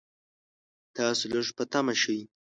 تاسو لږ په طمعه شئ.